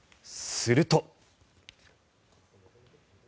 すると。